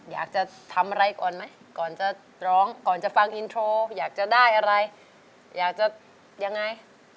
อยากจะทำอะไรก่อนไหมก่อนจะร้องก่อนจะฟังอินโทรอยากจะได้อะไรอยากจะยังไง